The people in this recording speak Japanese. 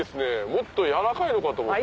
もっと軟らかいのかと思ったら。